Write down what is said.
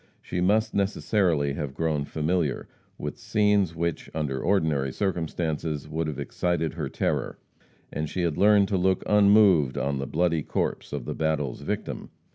She must necessarily have grown familiar with scenes which, under ordinary circumstances, would have excited her terror, and she had learned to look unmoved on the bloody corpse of the battle's victim.